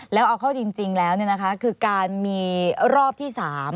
แล้วเอาเข้าจริงแล้วคือการมีรอบที่๓